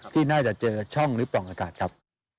ที่น่าจะเจอช่องหรือปล่องอากาศครับ